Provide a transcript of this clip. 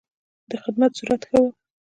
د خدمت سرعت ښه و.